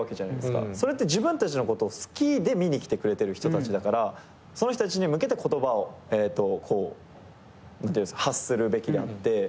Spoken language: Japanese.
それって自分たちのことを好きで見に来てくれてる人たちだからその人たちに向けて言葉をこう何ていうんですか発するべきであって。